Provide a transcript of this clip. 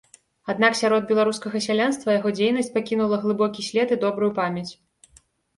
Аднак сярод беларускага сялянства яго дзейнасць пакінула глыбокі след і добрую памяць.